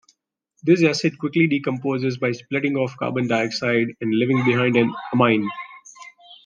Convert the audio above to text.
This acid quickly decomposes by splitting off carbon dioxide and leaving behind an amine.